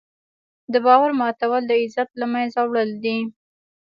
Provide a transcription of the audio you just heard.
د باور ماتول د عزت له منځه وړل دي.